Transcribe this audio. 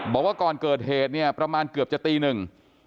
บอกว่าก่อนเกิดเหตุเนี่ยประมาณเกือบจะตีหนึ่ง